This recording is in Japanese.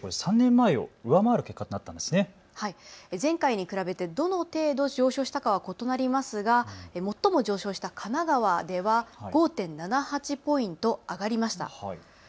前回に比べてどの程度上昇したかは異なりますが最も上昇した神奈川では５．７８ポイント上がりました。